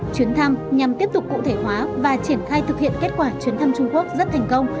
chuyến thăm nhằm tiếp tục cụ thể hóa và triển khai thực hiện kết quả chuyến thăm trung quốc rất thành công